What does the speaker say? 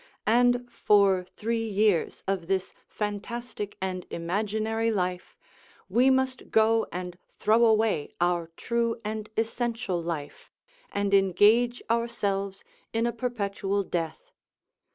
And for three years of this fantastic and imaginary life we must go and throw away our true and essential life, and engage ourselves in a perpetual death!